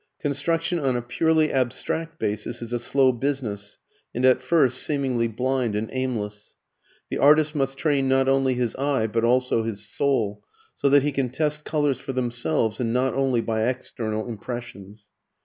Construction on a purely abstract basis is a slow business, and at first seemingly blind and aimless. The artist must train not only his eye but also his soul, so that he can test colours for themselves and not only by external impressions.